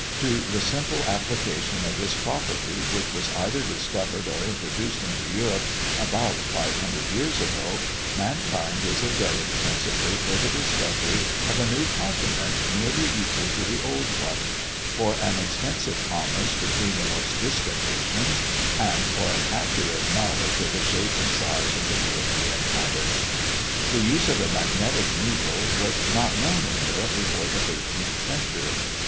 To the simple application of this property, which was either discovered or introduced into Europe about 500 years ago, mankind is indebted principally for the discovery of a new continent nearly equal to the old one, for an extensive commerce between the most distant nations, and for an accurate knowledge of the shape and size of the world we inhabit. The use of the magnetic needle was not known in Europe before the thirteenth century.